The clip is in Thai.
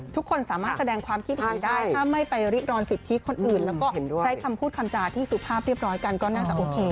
ทุกคนสามารถแสดงความคิดเห็นได้ถ้าไม่ไปริรอนสิทธิคนอื่นแล้วก็ใช้คำพูดคำจาที่สุภาพเรียบร้อยกันก็น่าจะโอเค